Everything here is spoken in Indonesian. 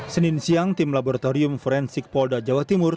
senin siang tim laboratorium forensik polda jawa timur